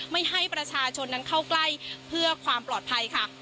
ไม่ให้ประชาชนนั้นเข้าใกล้เพื่อความปลอดภัยค่ะ